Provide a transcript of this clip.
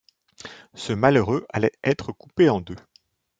Ce malheureux allait être coupé en deux.